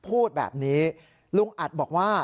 พูดแบบนี้ลุงอัดบอกว่า